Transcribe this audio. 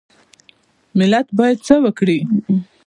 ملت باید څه وکړي؟